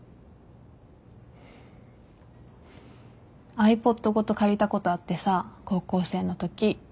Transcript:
ｉＰｏｄごと借りたことあってさ高校生のとき。